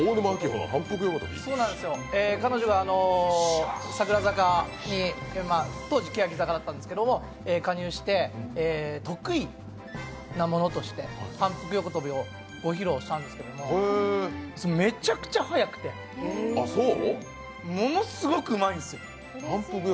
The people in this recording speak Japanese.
彼女が櫻坂、当時は欅坂だったんですけど加入して得意なものとして、反復横跳びをご披露したんですがめちゃくちゃ速くて、ものすごくうまいんですよ。